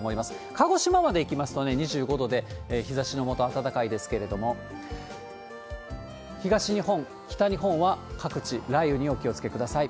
鹿児島までいきますと２５度で、日ざしのもと暖かいですけれども、東日本、北日本は各地雷雨にお気をつけください。